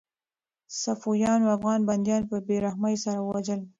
صفویانو افغان بندیان په بې رحمۍ سره ووژل.